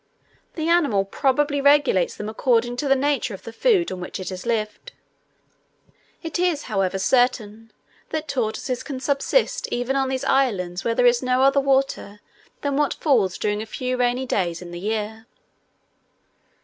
The animal probably regulates them according to the nature of the food on which it has lived. It is, however, certain, that tortoises can subsist even on these islands where there is no other water than what falls during a few rainy days in the year.